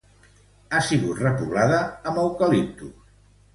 Ha sigut repoblada amb eucaliptus.